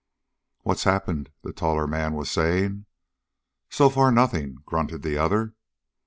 "What's happened?" the taller man was saying. "So far, nothing," grunted the other.